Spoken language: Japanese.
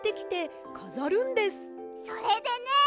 それでね